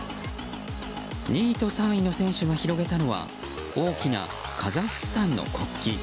２位と３位の選手が広げたのは大きなカザフスタンの国旗。